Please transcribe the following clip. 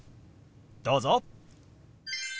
どうぞ。